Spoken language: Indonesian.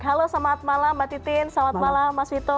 halo selamat malam mbak titin selamat malam mas vito